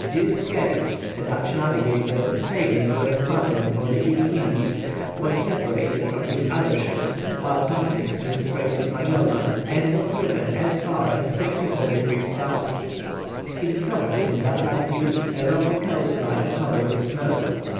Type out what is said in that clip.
Dirk Gerritz, a Dutch navigator, sailing with a squadron for the East Indies, was separated from his other ships while passing through the Straits of Magellan and was driven as far as 64° S. He discovered, in that latitude, a rocky coast line covered with snow.